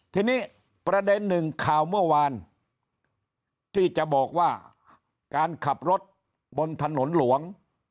ทีนี้ประเด็นหนึ่งข่าวเมื่อวานที่จะบอกว่าการขับรถบนถนนหลวง